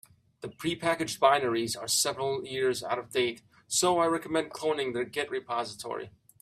The prepackaged binaries are several years out of date, so I recommend cloning their git repository.